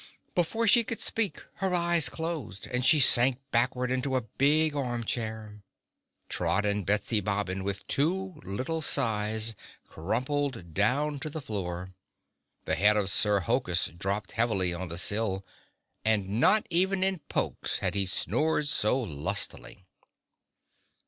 Before she could speak her eyes closed, and she sank backward into a big arm chair. Trot and Betsy Bobbin with two little sighs crumpled down to the floor. The head of Sir Hokus dropped heavily on the sill, and not even in Pokes had he snored so lustily.